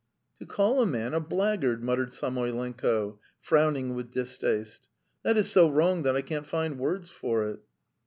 "To call a man a blackguard!" muttered Samoylenko, frowning with distaste "that is so wrong that I can't find words for it!"